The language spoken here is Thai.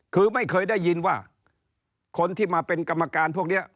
คือไม่เคยได้ยินว่าคนที่มาเป็นกรรมการพวกนี้